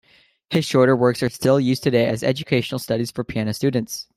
His shorter works are still used today as educational studies for piano students.